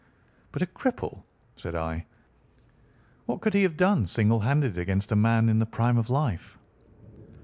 "But a cripple!" said I. "What could he have done single handed against a man in the prime of life?"